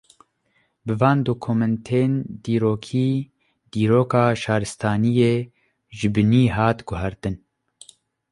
Bi van dokumentên dîrokî, dîroka şaristaniyê ji binî hat guhartin